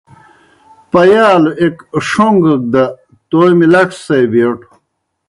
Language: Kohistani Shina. پیالوْ ایْک ݜَون٘گَک دہ تومیْ لڇو سے بیٹُو۔